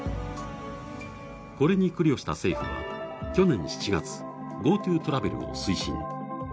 これに苦慮した政府は、去年７月、ＧｏＴｏトラベルを推進。